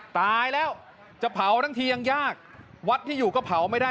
ตายแล้วจะเผาทั้งทียังยากวัดที่อยู่ก็เผาไม่ได้